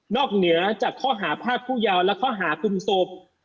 นอกเหนือจากข้อหาภาพผู้ยาวและข้อหากลุ่มโทรม